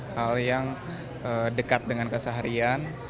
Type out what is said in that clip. hal yang dekat dengan keseharian